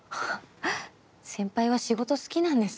先輩は仕事好きなんですね。